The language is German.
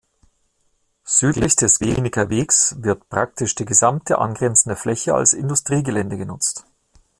Südlich des Glienicker Wegs wird praktisch die gesamte angrenzende Fläche als Industriegelände genutzt.